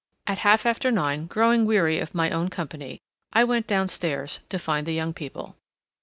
At half after nine, growing weary of my own company, I went downstairs to find the young people.